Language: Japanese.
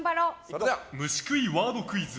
虫食いワードクイズ！